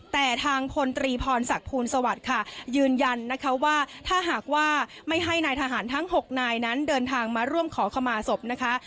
แต่ทางพลตรีพรศักดิ์ภูลสวัสดิ์ค่ะยืนยันนะคะว่าถ้าหากว่าไม่ให้นายทหารทั้ง๖นายนั้นเดินทางมาร่วมขอขมาศพนะคะ